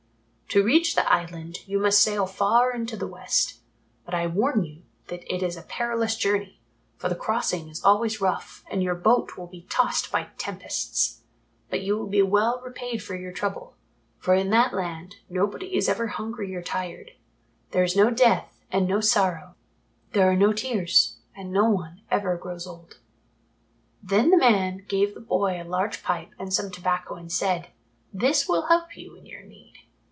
To reach the Island you must sail far into the West, but I warn you that it is a perilous journey, for the crossing is always rough and your boat will be tossed by tempests. But you will be well repaid for your trouble, for in that land nobody is ever hungry or tired; there is no death and no sorrow; there are no tears, and no one ever grows old." Then the old man gave the boy a large pipe and some tobacco and said, "This will help you in your need."